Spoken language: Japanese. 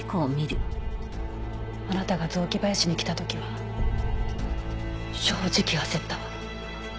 あなたが雑木林に来た時は正直焦ったわ。